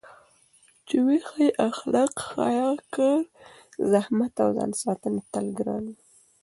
چې وښيي اخلاق، حیا، کار، زحمت او ځانساتنه تل ګران وي.